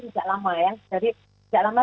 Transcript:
tidak lama ya jadi tidak lama